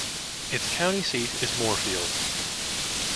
Its county seat is Moorefield.